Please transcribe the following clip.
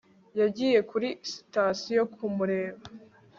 yagiye kuri sitasiyo kumureba